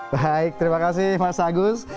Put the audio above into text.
baik terima kasih mas agus